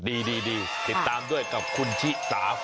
ดีติดตามด้วยกับคุณที่สาธิต